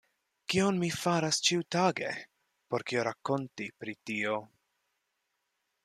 Kion mi faras ĉiutage; por kio rakonti pri tio!